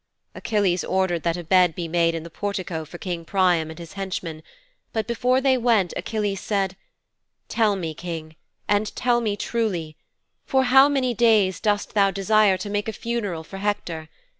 "' 'Achilles ordered that a bed be made in the portico for King Priam and his henchman, but before they went Achilles said: "Tell me, King, and tell me truly, for how many days dost thou desire to make a funeral for Hector?